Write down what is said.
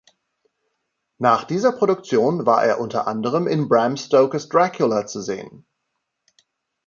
Nach dieser Produktion war er unter anderem in "Bram Stoker's Dracula" zu sehen.